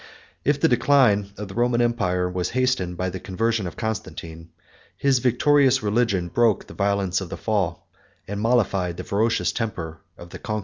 If the decline of the Roman empire was hastened by the conversion of Constantine, his victorious religion broke the violence of the fall, and mollified the ferocious temper of the conquerors.